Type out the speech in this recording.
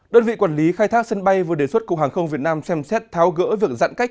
đơn vị quản lý khai thác sân bay vừa đề xuất cục hàng không việt nam xem xét tháo gỡ việc giãn cách